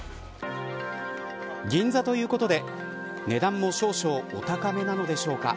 銀座ということで値段も少々お高めなのでしょうか。